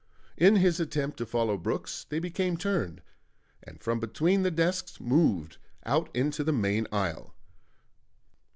In his attempt to follow Brooks they became turned, and from between the desks moved out into the main aisle.